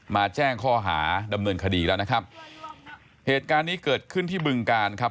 แจ้งข้อหาดำเนินคดีแล้วนะครับเหตุการณ์นี้เกิดขึ้นที่บึงการครับ